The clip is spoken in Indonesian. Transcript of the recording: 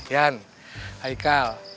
yan hai karl